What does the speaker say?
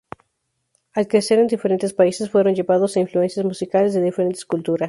Al crecer en diferentes países, fueron llevados a influencias musicales de diferentes culturas.